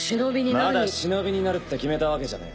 まだ忍になるって決めたわけじゃねえ。